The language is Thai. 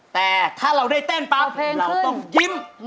แต่ถ้าเราได้เต้นปั๊บเราต้องยิ้ม